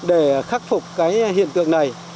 để khắc phục cái hiện tượng này